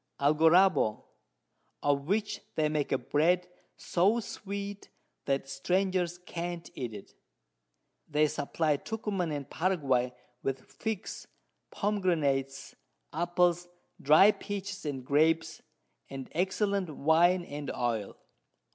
Algaroba, of which they make a Bread so sweet, that Strangers can't eat it. They supply Tucuman and Paraguay with Figs, Pomgranates, Apples, dry'd Peaches and Grapes, and excellent Wine and Oil.